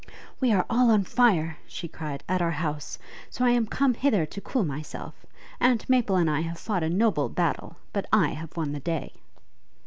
'We are all on fire,' she cried, 'at our house, so I am come hither to cool myself. Aunt Maple and I have fought a noble battle; but I have won the day.'